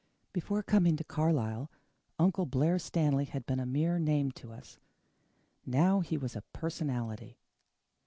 Before coming to Carlisle, Uncle Blair Stanley had been a mere name to us. Now he was a personality.